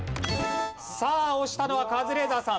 さあ押したのはカズレーザーさん。